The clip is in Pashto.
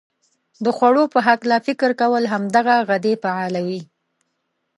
د خوړو په هلکه فکر کول هم دغه غدې فعالوي.